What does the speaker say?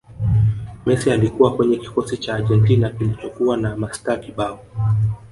messi alikuwa kwenye kikosi cha argentina kilichokuwa na mastaa kibao